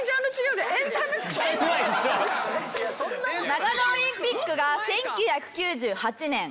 長野オリンピックが１９９８年。